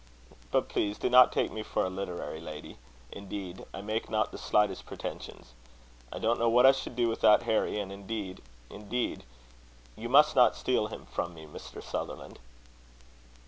But, please, do not take me for a literary lady. Indeed, I make not the slightest pretensions. I don't know what I should do without Harry; and indeed, indeed, you must not steal him from me, Mr. Sutherland."